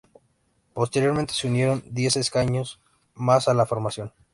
Posteriormente, se unieron diez escaños más a la formación.